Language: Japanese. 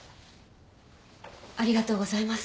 ありがとうございます。